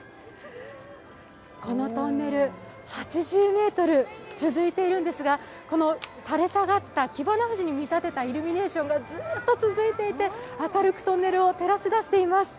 このトンネル、８０ｍ続いているんですがこの垂れ下がったきばな藤に見立てたイルミネーションがずーっと続いていて、明るくトンネルを照らし出しています。